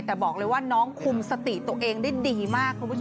แต่บอกเลยว่าน้องคุมสติตัวเองได้ดีมาก